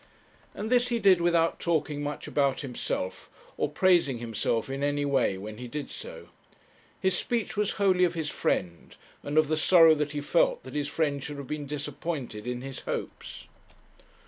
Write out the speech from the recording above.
And this he did without talking much about himself, or praising himself in any way when he did so. His speech was wholly of his friend, and of the sorrow that he felt that his friend should have been disappointed in his hopes.